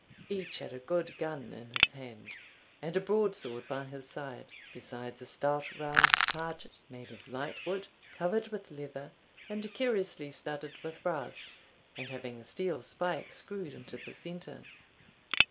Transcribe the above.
Each had a good gun in his hand, and a broadsword by his side, besides a stout round target, made of light wood, covered with leather, and curiously studded with brass, and having a steel spike screwed into the centre.